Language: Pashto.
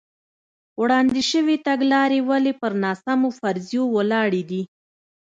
وړاندې شوې تګلارې ولې پر ناسمو فرضیو ولاړې دي.